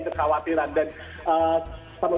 kekhawatiran dan perlu